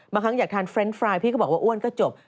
บางครั้งอยากทานเฟรนด์ไฟล์พี่ก็บอกว่าอ้วนก็จบ